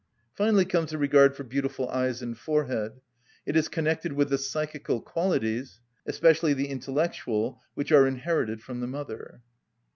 Finally comes the regard for beautiful eyes and forehead; it is connected with the psychical qualities, especially the intellectual which are inherited from the mother.